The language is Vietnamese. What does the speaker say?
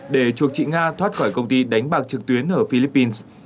để chuộc chị nga thoát khỏi công ty đánh bạc trực tuyến ở philippines